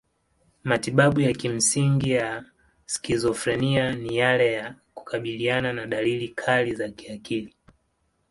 Matibabu ya kimsingi ya skizofrenia ni yale ya kukabiliana na dalili kali za kiakili.